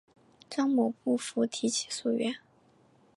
张某不服提起诉愿。